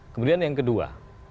kemudian yang kedua